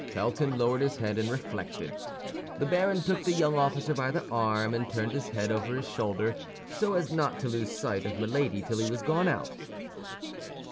Felton lowered his head and reflected. The baron took the young officer by the arm, and turned his head over his shoulder, so as not to lose sight of Milady till he was gone out.